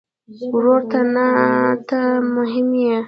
ورور ته ته مهم یې.